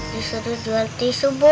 disuruh jual tisu bu